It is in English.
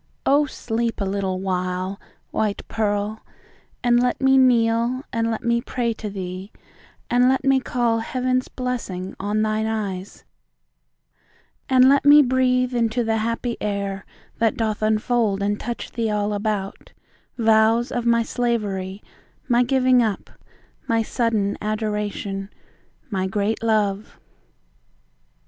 O sleep a little while, white pearl! And let me kneel, and let me pray to thee, And let me call Heaven's blessing on thine eyes, And let me breathe into the happy air, That doth enfold and touch thee all about, Vows of my slavery, my giving up, My sudden adoration, my great love!